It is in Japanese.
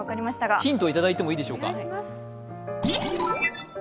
ヒントいただいてもいいでしょうか。